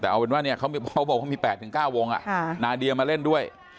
แต่เอาเป็นว่าเนี่ยเขาบอกว่ามี๘๙วงนาเดียมาเล่นด้วย